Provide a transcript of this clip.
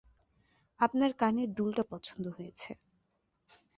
আপনার কানের দুলটা পছন্দ হয়েছে।